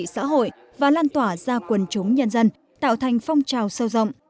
xã hội và lan tỏa ra quần chúng nhân dân tạo thành phong trào sâu rộng